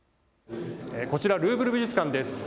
こちらルーブル美術館です。